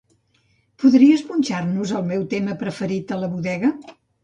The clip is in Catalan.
Podries punxar-nos el meu tema preferit a la bodega?